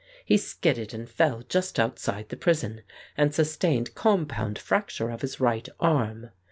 He skidded and fell just outside the prison, and sustained com pound .fracture of his right arm.